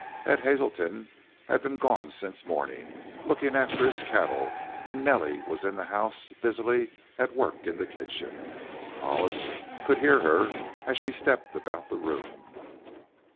Ed Hazelton had been gone since morning, looking after his cattle, and Nellie was in the house, busily at work in the kitchen Hollis could hear her as she stepped about the room.